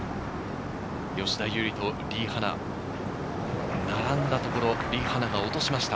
吉田優利とリ・ハナ、並んだところ、リ・ハナが落としました。